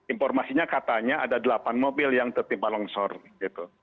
informasinya katanya ada delapan mobil yang tertimpa longshore